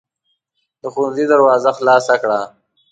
د ښوونځي دروازه خلاصه کړه.